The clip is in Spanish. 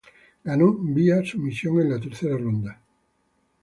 Ganó vía sumisión en la tercera ronda.